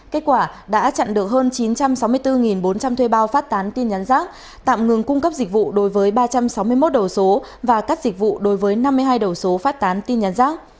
kết quả đã chặn được hơn chín trăm sáu mươi bốn bốn trăm linh thuê bao phát tán tin nhắn rác tạm ngừng cung cấp dịch vụ đối với ba trăm sáu mươi một đầu số và các dịch vụ đối với năm mươi hai đầu số phát tán tin nhắn rác